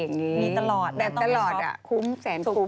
มีตลอดแต่ต้องมีคอปคุ้มแสนคุ้ม